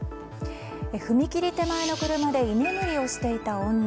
踏切手前の車で居眠りをしていた女。